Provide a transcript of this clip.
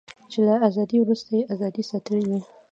چې له ازادۍ وروسته یې ازادي ساتلې وي.